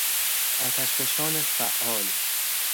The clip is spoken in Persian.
آتشفشان فعال